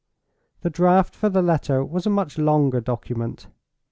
The draft for the Letter was a much longer document.